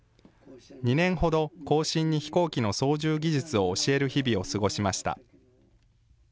２年ほど、後進に飛行機の操縦技術を教える日々を過ごしました。